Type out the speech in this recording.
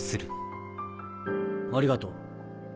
ありがとう。